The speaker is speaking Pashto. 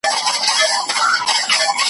تا خو لیدې د خزانونو له چپاوه کډي ,